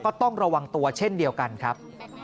ก็ต้องระวังตัวเช่นเดียวกันครับ